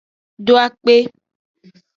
Do akpe.